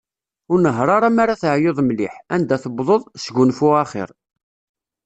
Ur nehher ara mi ara teɛyuḍ mliḥ, anda tewḍeḍ, sgunfu axir.